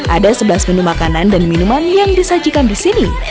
ada sebelas menu makanan dan minuman yang disajikan di sini